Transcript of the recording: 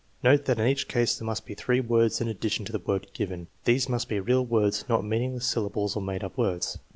Note that in each case there must be three words in addition to the word given. These must be real words, not meaningless syllables or made up words.